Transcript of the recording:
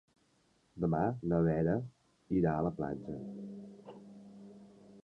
Demà na Vera irà a la platja.